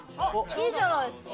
いいじゃないですか。